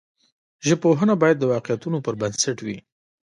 ژبپوهنه باید د واقعیتونو پر بنسټ وي.